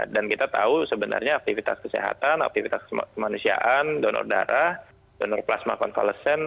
dan kita tahu sebenarnya aktivitas kesehatan aktivitas kemanusiaan donor darah donor plasma konvalesen